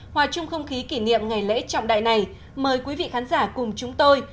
hòa chung không khí kỷ niệm ngày lễ trọng đại này mời quý vị khán giả cùng chúng tôi